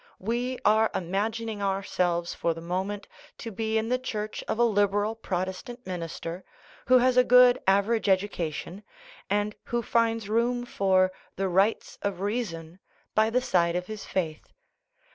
We are imagining ourselves for the moment to be in the church of a liberal Protestant minister, who has a good average education, and who finds room for " the rights of reason " by the side of his faith.